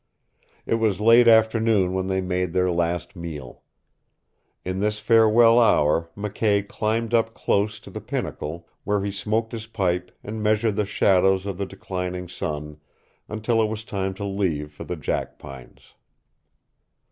It was late afternoon when they made their last meal. In this farewell hour McKay climbed up close to the pinnacle, where he smoked his pipe and measured the shadows of the declining sun until it was time to leave for the jackpines.